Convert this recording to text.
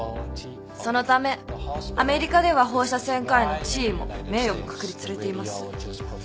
そのためアメリカでは放射線科医の地位も名誉も確立されています。